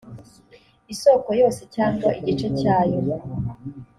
isoko yose cyangwa igice cyayo